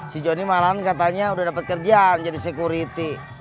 si jonny malahan katanya udah dapet kerjaan jadi security